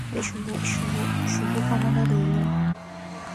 বেশ, শুভকামনা রইলো।